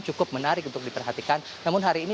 cukup menarik untuk diperhatikan namun hari ini